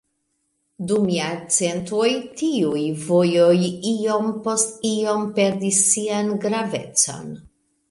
Dum jarcentoj tiuj vojoj iom post iom perdis sian gravecon.